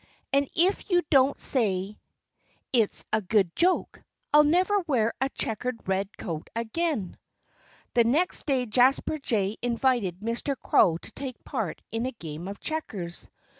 And if you don't say it's a good joke, I'll never wear a checkered red coat again." The next day Jasper Jay invited Mr. Crow to take part in a game of checkers.